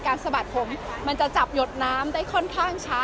สะบัดผมมันจะจับหยดน้ำได้ค่อนข้างช้า